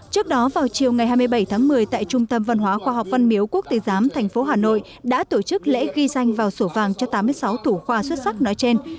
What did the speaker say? trước đó vào chiều ngày hai mươi bảy tháng một mươi tại trung tâm văn hóa khoa học văn miếu quốc tịch giám thành phố hà nội đã tổ chức lễ ghi danh vào sổ vàng cho tám mươi sáu thủ khoa xuất sắc nói trên